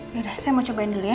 mira saya mau cobain dulu ya